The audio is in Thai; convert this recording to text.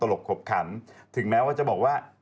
น้องน้องกลัวอย่าไปแจ้งตำรวจดีกว่าเด็ก